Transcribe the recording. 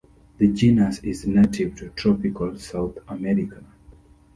The genus is native to tropical South America.